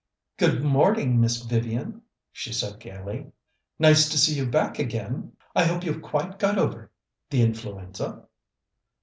"Good morning, Miss Vivian," she said gaily. "Nice to see you back again. I hope you've quite got over the influenza?"